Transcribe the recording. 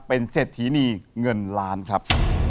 เป็นเศรษฐีนีเงินล้านครับ